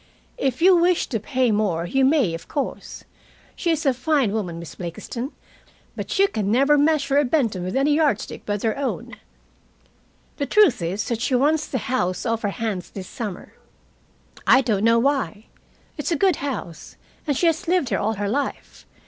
"If you wish to pay more, you may, of course. She is a fine woman, Miss Blakiston, but you can never measure a Benton with any yard stick but their own. The truth is that she wants the house off her hands this summer. I don't know why. It's a good house, and she has lived here all her life.